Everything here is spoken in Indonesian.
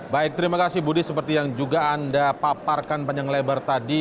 baik terima kasih budi seperti yang juga anda paparkan panjang lebar tadi